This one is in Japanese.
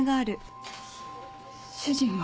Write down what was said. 主人は？